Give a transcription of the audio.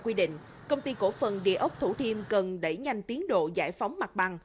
quy định công ty cổ phần địa ốc thủ thiêm cần đẩy nhanh tiến độ giải phóng mặt bằng